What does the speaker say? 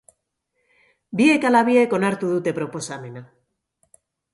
Biek ala biek onartu dute proposamena.